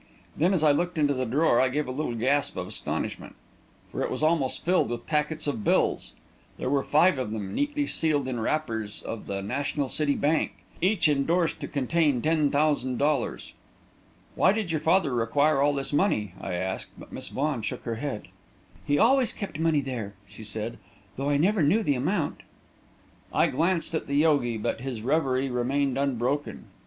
Then, as I looked into the drawer, I gave a little gasp of astonishment, for it was almost filled with packets of bills. There were five of them, neatly sealed in wrappers of the National City Bank, and each endorsed to contain ten thousand dollars. "Why did your father require all this money?" I asked, but Miss Vaughan shook her head. "He always kept money there," she said, "though I never knew the amount." [Illustration: "Oh, Master, receive me!"] I glanced at the yogi, but his revery remained unbroken.